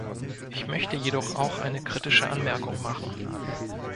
Ich möchte jedoch auch eine kritische Anmerkung machen.